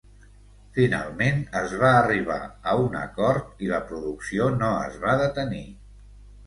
Finalment es va arribar a un acord i la producció no es va detenir.